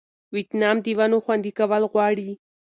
ویتنام د ونو خوندي کول غواړي.